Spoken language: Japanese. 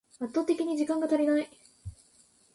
圧倒的に時間が足りない